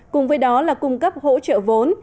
cùng với đó là cung cấp hỗ trợ vốn